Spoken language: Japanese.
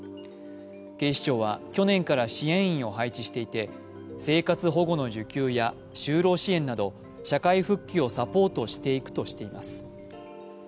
警視庁は去年から支援員を配置していて生活保護の受給や就労支援など社会復帰をサポートしていくとしています。